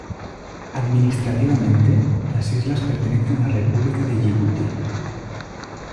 Administrativamente, las islas pertenecen a la República de Yibuti.